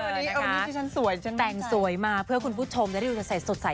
วันนี้วันนี้ที่ฉันสวยใช่ไหมคะแต่งสวยมากเพื่อคุณผู้ชมจะได้ดูจะใส่สดใส